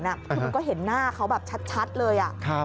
คือมันก็เห็นหน้าเขาแบบชัดเลย